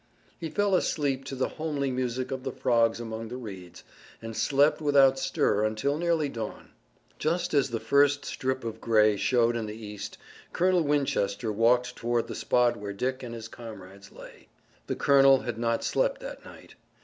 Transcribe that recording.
He fell asleep to the homely music of the frogs among the reeds, and slept without stir until nearly dawn. Just as the first strip of gray showed in the east Colonel Winchester walked toward the spot where Dick and his comrades lay. The colonel had not slept that night.